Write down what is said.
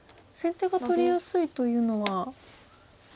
先手が取りやすいというのは。